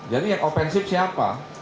jadi yang offensive siapa